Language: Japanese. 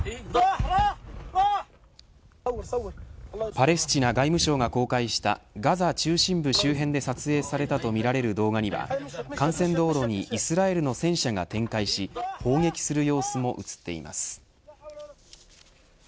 パレスチナ外務省が公開したガザ中心部周辺で撮影されたとみられる映像には幹線道路にイスラエルの戦車が展開し砲撃する様子も映っています。